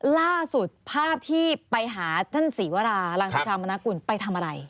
ล่าสุดภาพที่ไปหาท่านศรีวรารังสิพรามนากุลไปทำอะไร